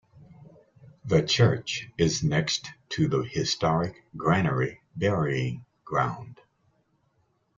The church is next to the historic Granary Burying Ground.